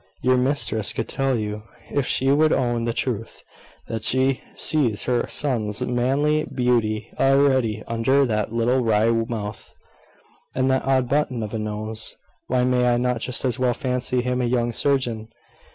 Your mistress could tell you, if she would own the truth, that she sees her son's manly beauty already under that little wry mouth, and that odd button of a nose. Why may not I just as well fancy him a young surgeon?"